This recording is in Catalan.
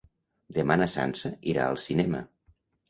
Demà na Sança irà al cinema.